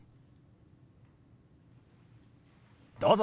どうぞ。